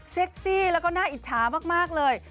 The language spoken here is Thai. เซ็กซี่แล้วก็หน้าอิจฉามากเลย